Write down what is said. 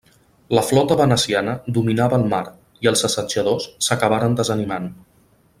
La flota veneciana dominava el mar, i els assetjadors s'acabaren desanimant.